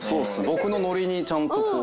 僕のノリにちゃんとこう。